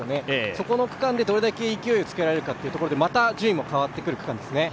そこの区間でどれだけ勢いをつけられるかというところでまた順位も変わってくる区間ですね。